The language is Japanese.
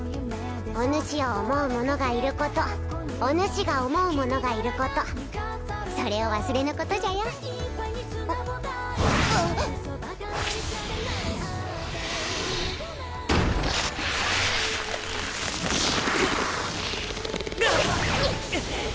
おぬしを思う者がいることおぬしが思う者がいることそれを忘れぬことじゃよぐっうわっ！